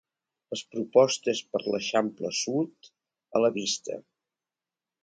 Les propostes per a l'Eixample Sud, a la vista.